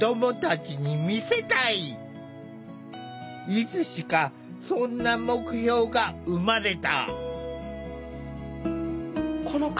いつしかそんな目標が生まれた。